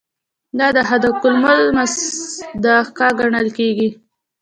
دا د هغه د کمولو مصداق ګڼل کیږي.